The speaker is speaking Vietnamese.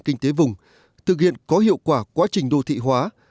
kinh tế vùng thực hiện có hiệu quả quá trình đô thị hóa